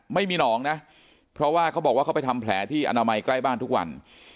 ไม่มีหนองนะเพราะว่าเขาบอกว่าเขาไปทำแผลที่อนามัยใกล้บ้านทุกวัน